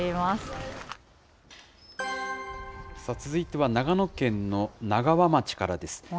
続いては長野県の長和町からです。